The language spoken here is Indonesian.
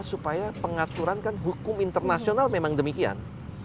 supaya pengaturan kan hukum internasional memang demikian